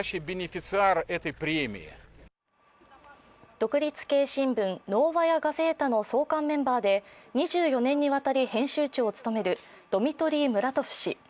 独立系新聞「ノーバヤ・ガゼータ」の創刊メンバーで２４年にわたり編集長を務めるドミトリー・ムラトフ氏。